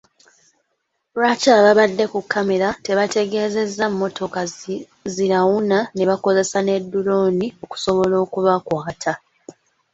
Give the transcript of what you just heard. Lwaki abaabadde ku kkamera tebaategeezezza mmotoka zirawuna ne bakozesa ne ddulooni okusobola okubakwata.